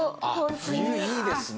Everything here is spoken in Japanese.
冬いいですね。